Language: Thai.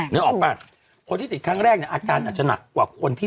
นึกออกป่ะคนที่ติดครั้งแรกเนี่ยอาการอาจจะหนักกว่าคนที่